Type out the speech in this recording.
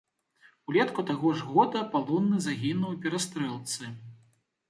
Улетку таго ж года палонны загінуў у перастрэлцы.